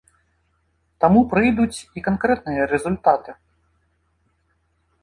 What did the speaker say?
Таму прыйдуць і канкрэтныя рэзультаты.